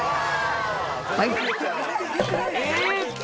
はい！